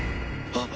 あっ！